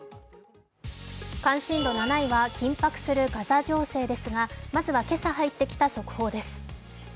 関心度７位は緊迫するガザ情勢ですがまずは今朝入ってきた速報です。